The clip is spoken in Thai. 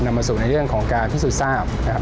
มาสู่ในเรื่องของการพิสูจน์ทราบนะครับ